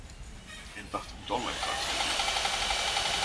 En tahtonut ollenkaan selviytyä.